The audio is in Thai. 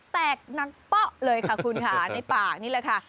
แตกนางเป๊ะเลยค่ะคุณค่ะในปากนี่แหละค่ะ